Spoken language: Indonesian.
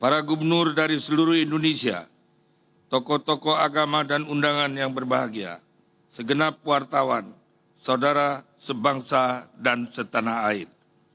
para gubernur dari seluruh indonesia tokoh tokoh agama dan undangan yang berbahagia segenap wartawan saudara sebangsa dan setanah air